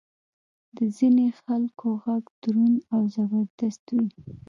د ځینې خلکو ږغ دروند او زبردست وي.